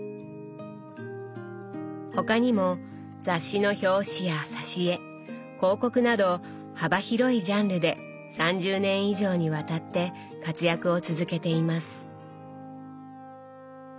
他にも雑誌の表紙や挿し絵広告など幅広いジャンルで３０年以上にわたって活躍を続けています。